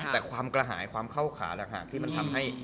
แต่ความกระหายความเข้าขาต่างหากที่มันทำให้